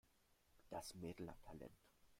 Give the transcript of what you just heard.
Das Mädel hat Talent.